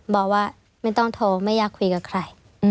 บอกว่าไม่ต้องโทรไม่อยากคุยกับใคร